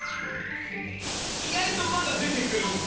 意外とまだ出てくるんだ。